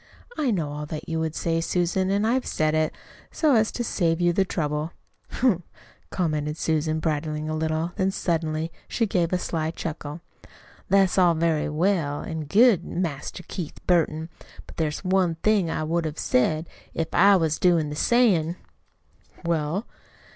I know all that you would say, Susan, and I've said it, so as to save you the trouble." "Humph!" commented Susan, bridling a little; then suddenly, she gave a sly chuckle. "That's all very well an' good, Master Keith Burton, but there's one more thing I would have said if I was doin' the sayin'!" "Well?"